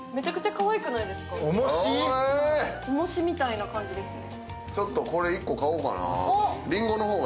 重しみたいな感じですね。